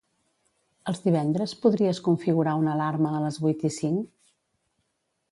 Els divendres podries configurar una alarma a les vuit i cinc?